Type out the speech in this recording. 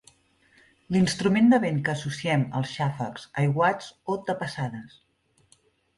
L'instrument de vent que associem als xàfecs, aiguats o tapassades.